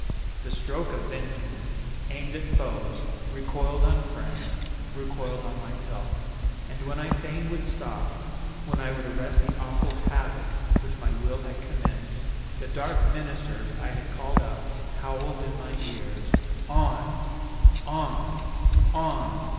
The stroke of vengeance, aimed at foes, recoiled on friends recoiled on myself. And when I fain would stop, when I would arrest the awful havoc which my will had commenced, the dark ministers I had called up howled in my ears, 'On! on! on!